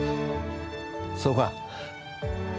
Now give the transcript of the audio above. そうか。